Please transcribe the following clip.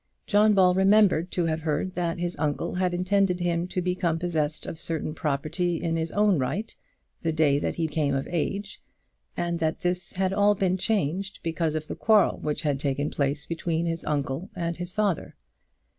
John Ball remembered to have heard that his uncle had intended him to become possessed of certain property in his own right the day that he became of age, and that this had all been changed because of the quarrel which had taken place between his uncle and his father.